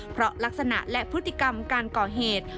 เพราะลักษณะและพฤติกรรมการก่อเหตุ